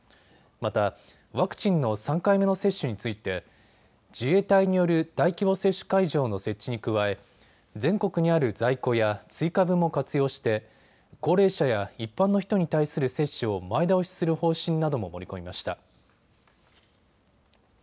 またワクチンの３回目の接種について自衛隊による大規模接種会場の設置に加え全国にある在庫や追加分も活用して高齢者や一般の人に対する接種を前倒しする方針なども盛り込みました。